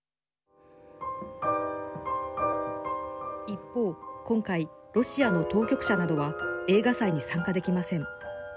一方、今回ロシアの当局者などは映画祭に参加できません。